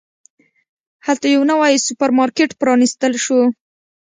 هلته یو نوی سوپرمارکېټ پرانستل شو.